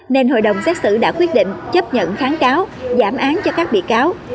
nên hội đồng xét xử đã quyết định chấp nhận kháng cáo giảm án cho các bị cáo